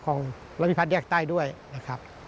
ของรถพิพัฒน์แยกใต้ด้วยนะครับ